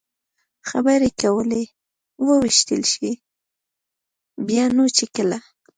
خبرې کولې، ووېشتل شي، بیا نو چې کله.